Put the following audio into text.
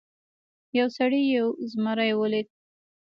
یو سړي یو زمری ولید.